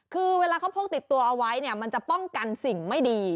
คือเวลาเขาพกติดตัวเอาไว้เนี่ยมันจะป้องกันสิ่งไม่ดี